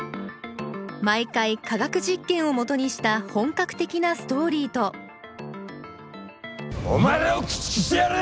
毎回化学実験を基にした本格的なストーリーとお前らを駆逐してやる！